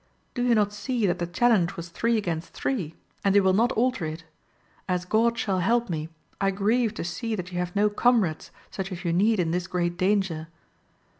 Do you not see that the challenge was three against three ? and they will not alter it : as God shall help me, I grieve to see that you have no comrades such as you need in this great danger.